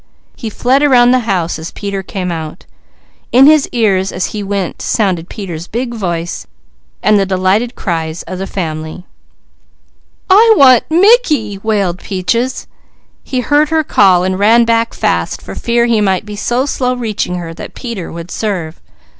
He fled around the house as Peter came out. In his ears as he went sounded Peter's big voice and the delighted cries of the family. "I want Mickey!" wailed Peaches. He heard her call and ran back fast for fear he might be so slow reaching her that Peter would serve.